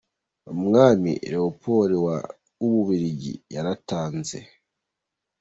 Umwami Leopold wa w’ububiligi yaratanze.